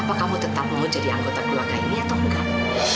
apakah mau tetap mau jadi anggota keluarga ini atau enggak